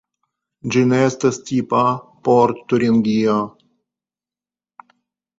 Ĝi ne estas tipa por Turingio.